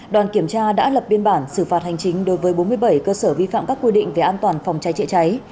đoàn kiểm tra đã lập biên bản xử phạt hành chính đối với bốn mươi bảy cơ sở vi phạm các quy định về an toàn phòng cháy chữa cháy